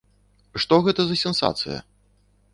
Што гэта за сенсацыя?